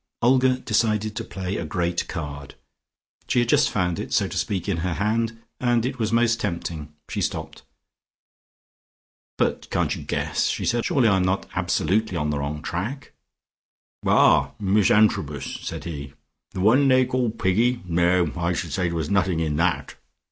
Olga decided to play a great card. She had just found it, so to speak, in her hand, and it was most tempting. She stopped. "But can't you guess?" she said. "Surely I'm not absolutely on the wrong track?" "Ah, Miss Antrobus," said he. "The one I think they call Piggy. No, I should say there was nothing in that."